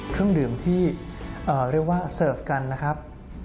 เครื่องดื่มที่เรียกว่าเสิร์ฟกันนะครับ